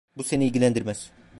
Bu seni ilgilendirmez.